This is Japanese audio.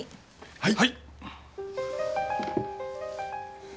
はい！